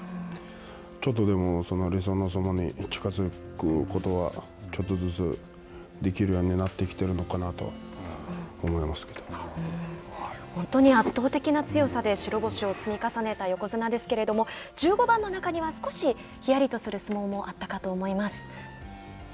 ちょっとでもその理想の相撲に近づくことがちょっとずつできるようになってきているのかなと本当に圧倒的な強さで白星を積み重ねた横綱ですけれども１５番の中には少しひやりとする相撲もあったかと思います。